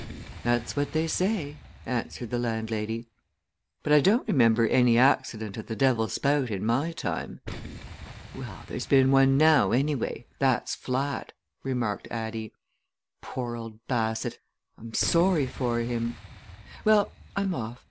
"That's what they say," answered the landlady. "But I don't remember any accident at the Devil's Spout in my time." "Well, there's been one now, anyway that's flat," remarked Addie. "Poor old Bassett I'm sorry for him! Well, I'm off.